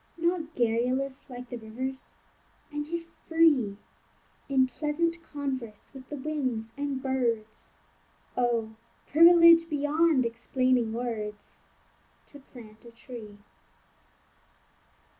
Not garrulous like the rivers; and yet free In pleasant converse with the winds and birds; Oh! privilege beyond explaining words, To plant a tree.